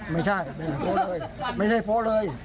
ไม่ใช่ไม่ได้โบ๊ะเลย